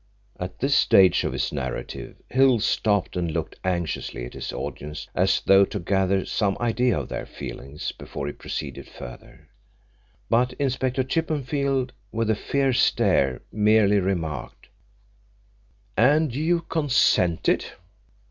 '" At this stage of his narrative, Hill stopped and looked anxiously at his audience as though to gather some idea of their feelings before he proceeded further. But Inspector Chippenfield, with a fierce stare, merely remarked: "And you consented?"